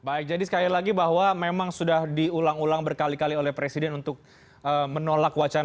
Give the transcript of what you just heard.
baik jadi sekali lagi bahwa memang sudah diulang ulang berkali kali oleh presiden untuk menolak wacana